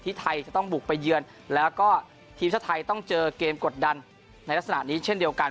ไทยจะต้องบุกไปเยือนแล้วก็ทีมชาติไทยต้องเจอเกมกดดันในลักษณะนี้เช่นเดียวกัน